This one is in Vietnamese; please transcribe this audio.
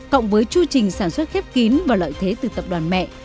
cộng với chu trình sản xuất khép kín và lợi thế từ tập đoàn mẹ